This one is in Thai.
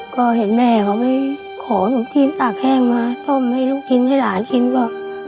ก็เห็นแม่เขาไปขอลูกชิ้นตากแห้งมาต้มให้ลูกกินให้หลานกินก็